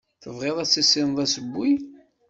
Tebɣiḍ ad tissineḍ asewwi.